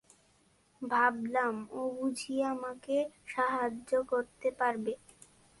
ভাবলাম, ও বুঝি আমাকে সাহায্য করতে পারবে।